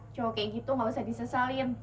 cowok kayak gitu gak usah disesalin